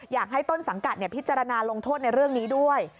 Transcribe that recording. อยากให้ต้นสังกัดพิจารณาลงโทษในเรื่องนี้ด้วย